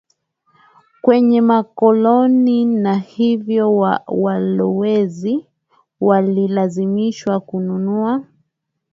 kwenye makoloni na hivyo walowezi walilazimishwa kununua